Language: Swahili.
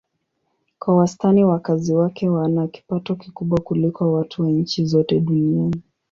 Kwa wastani wakazi wake wana kipato kikubwa kuliko watu wa nchi zote duniani.